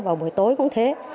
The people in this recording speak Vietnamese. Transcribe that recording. và buổi tối cũng thế